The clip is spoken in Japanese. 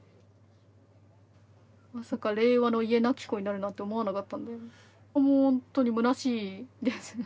まさか令和の家なき子になるなんて思わなかったんでもうほんとにむなしいですね。